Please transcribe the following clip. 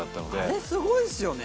あれすごいですよね。